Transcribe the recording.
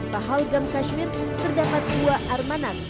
pahal gam kashmir terdapat dua armanat